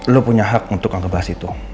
lo punya hak untuk bahas itu